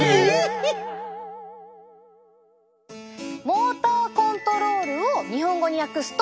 モーターコントロールを日本語に訳すと。